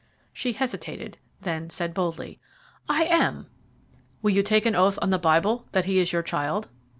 She hesitated, then said boldly, "I am." "Will you take an oath on the Bible that he is your child?"